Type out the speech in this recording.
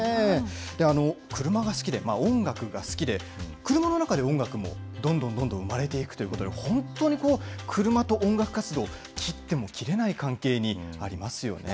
で、車が好きで、音楽が好きで、車の中で音楽もどんどんどんどん生まれていくということで、本当にこう、車と音楽活動、切っても切れない関係にありますよね。